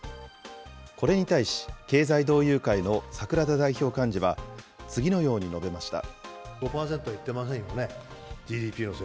これに対し、経済同友会の櫻田代表幹事は、次のように述べました。